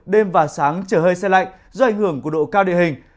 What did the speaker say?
đêm và sáng trời hơi xe lạnh do ảnh hưởng của độ cao địa hình